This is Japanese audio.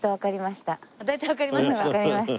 大体わかりました？